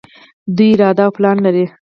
دوی اراده او پلان لري.